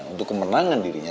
untuk kemenangan dirinya